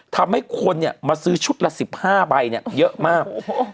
ทำให้คนมาซื้อชุดละ๑๕ใบเยอะมาก